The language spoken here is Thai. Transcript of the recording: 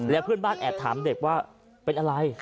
แล้วเพื่อนบ้านแอบถามเด็กว่าเป็นอะไร